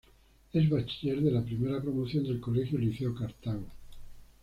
Es bachiller de la primera promoción del Colegio Liceo Cartago.